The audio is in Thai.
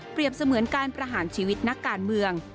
เสมือนการประหารชีวิตนักการเมือง